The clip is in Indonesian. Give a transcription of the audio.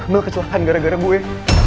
mel kecelakaan gara gara gue